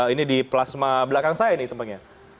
ini di plasma belakang saya nih tempatnya